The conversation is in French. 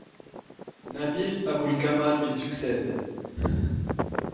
Nabil Abou Alqama lui succède.